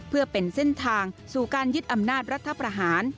เพื่อเป็นเส้นทางสู่การยึดอำนาจรัฐประหาร